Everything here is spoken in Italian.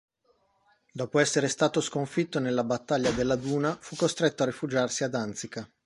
Dopo essere stato sconfitto nella battaglia della Duna fu costretto a rifugiarsi a Danzica.